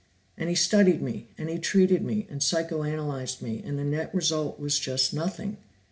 And he studied me, and he treated me, and psychoanalyzed me, and the net result was just nothing.